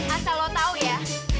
asal lo tau ya